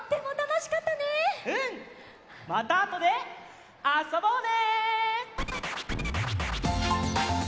またあとであそぼうね！